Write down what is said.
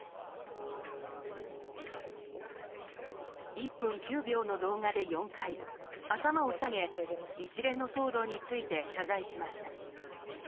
１分９秒の動画で４回頭を下げ一連の騒動について謝罪しました。